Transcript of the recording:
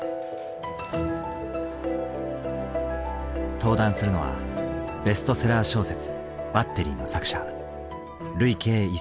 登壇するのはベストセラー小説「バッテリー」の作者。